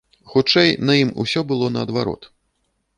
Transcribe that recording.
Хутчэй, на ім усё было наадварот.